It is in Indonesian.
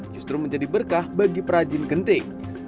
justru menjadi berkah bagi perajin genting